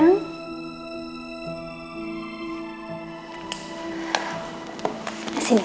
ayolah dib piecemann